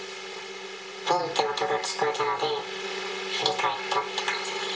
ぼん！って音が聞こえたので、振り返ったって感じです。